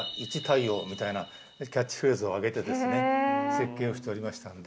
設計をしておりましたんで。